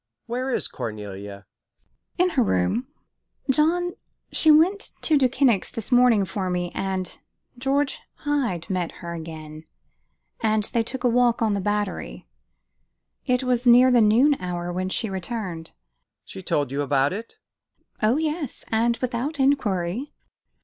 Where is Cornelia?" "In her room. John, she went to Duyckinck's this morning for me, and George Hyde met her again, and they took a walk together on the Battery. It was near the noon hour when she returned." "She told you about it?" "Oh yes, and without inquiry."